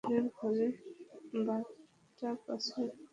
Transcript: আপনার ঘরে বাথটাব আছে?